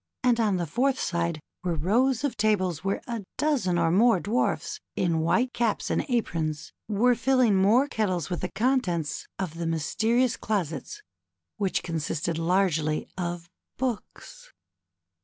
and on the fourth side were rows of tables where a dozeii or more Dwarfs in white caps and aprons were filling more kettles with the contents of the mysterious closets which consisted largely of books.